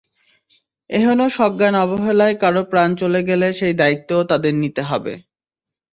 এহেন সজ্ঞান অবহেলায় কারও প্রাণ চলে গেলে সেই দায়িত্বও তাঁদের নিতে হবে।